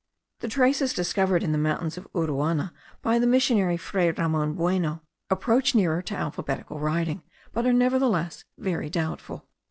The traces discovered in the mountains of Uruana, by the missionary Fray Ramon Bueno, approach nearer to alphabetical writing; but are nevertheless very doubtful.